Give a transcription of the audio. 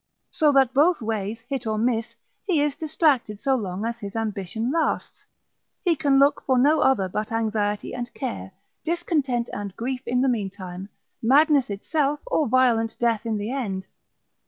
So that both ways, hit or miss, he is distracted so long as his ambition lasts, he can look for no other but anxiety and care, discontent and grief in the meantime, madness itself, or violent death in the end.